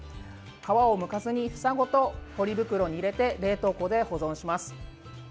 皮をむかずに房ごとポリ袋に入れて冷凍庫で保存します。